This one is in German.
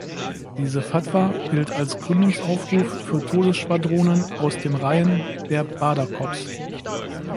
Diese Fatwa gilt als Gründungsaufruf für Todesschwadronen aus den Reihen der Badr-Corps.